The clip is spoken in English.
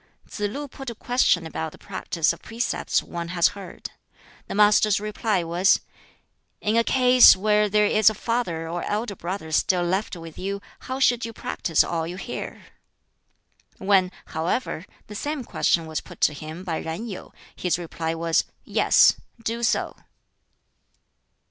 Tsz lu put a question about the practice of precepts one has heard. The Master's reply was, "In a case where there is a father or elder brother still left with you, how should you practise all you hear?" When, however, the same question was put to him by Yen Yu, his reply was, "Yes; do so."